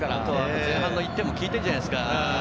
前半の１点もきいているんじゃないですか？